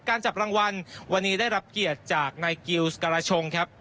จับรางวัลวันนี้ได้รับเกียรติจากนายกิลสการาชงครับ